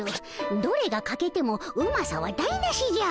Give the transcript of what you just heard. どれがかけてもうまさは台なしじゃ。